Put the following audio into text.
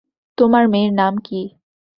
তোমার মেয়ের নাম কী?